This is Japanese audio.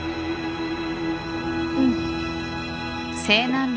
うん。